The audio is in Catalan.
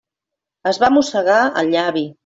Es va mossegar el llavi.